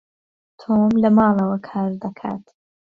تۆم لە ماڵەوە کار دەکات.